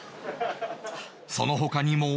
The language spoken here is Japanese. その他にも